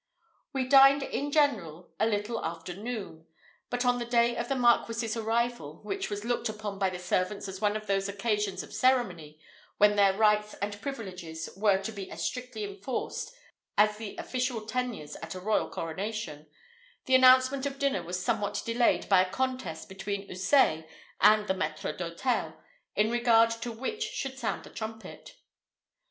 We dined in general a little after noon; but on the day of the Marquis's arrival, which was looked upon by the servants as one of those occasions of ceremony, when their rights and privileges were to be as strictly enforced as the official tenures at a royal coronation, the announcement of dinner was somewhat delayed by a contest between Houssaye and the maître d'hôtel, in regard to which should sound the trumpet.